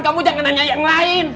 kamu jangan nanya yang lain